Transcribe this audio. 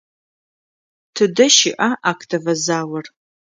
Тыдэ щыӏа актовэ залыр?